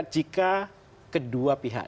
jika kedua pihak